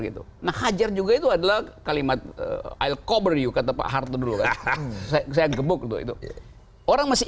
gitu nah hajar juga itu adalah kalimat air kober yukat tepat harta dulu saya gebuk itu orang masih